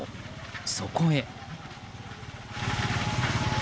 そこへ。